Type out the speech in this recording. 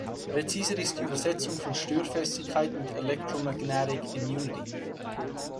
Präziser ist die Übersetzung von Störfestigkeit mit "electromagnetic immunity".